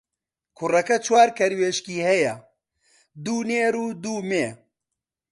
کوڕەکە چوار کەروێشکی هەیە، دوو نێر و دوو مێ.